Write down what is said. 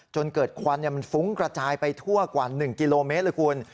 จนเกิดควันมันฟุ้งกระจายไปทั่วกว่า๑กิโลเมตรเลยคุณ